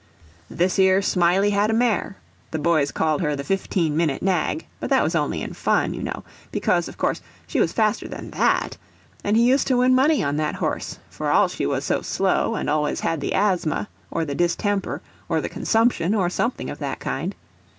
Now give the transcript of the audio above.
'" Thish yer Smiley had a mare—the boys called her the fifteen minute nag, but that was only in fun, you know, because, of course, she was faster than that—and he used to win money on that horse, for all she was so slow and always had the asthma, or the distemper, or the consumption, or something of that kind.